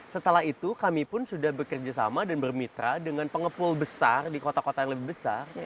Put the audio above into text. setelah itu kami pun sudah bekerja sama dan bermitra dengan pengepul besar di kota kota yang lebih besar